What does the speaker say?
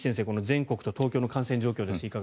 この全国と東京の感染状況です。